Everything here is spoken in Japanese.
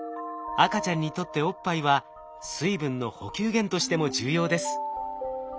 赤ちゃんにとっておっぱいは水分の補給源としても重要です。